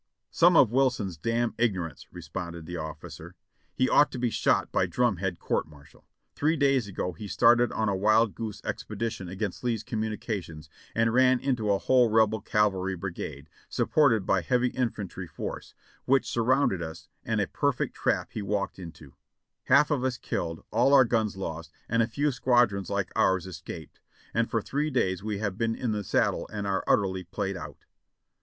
"Some of Wilson's damn ignorance," responded the officer. "He ought to be shot by drumhead court martial. Three days ago A TYPICAlv VIRGINIA PLANTATION 583 he started on a wild goos^ expedition against Lee's communica tions, and ran into a whole Rebel cavalry brigade, supported by heavy infantry force, which surrounded us. and a perfect trap he walked into — half of us killed, all our guns lost, and a few squad rons like ours escaped, and for three days we have been in the saddle and are utterly played out.''